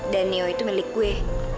dan niu itu milik gue